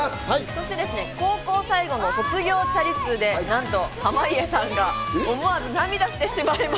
そして高校最後の卒業チャリ通で濱家さんが思わず涙してしまいます。